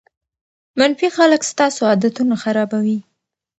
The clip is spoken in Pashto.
منفي خلک ستاسو عادتونه خرابوي.